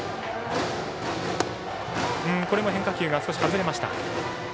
これも変化球が少し外れました。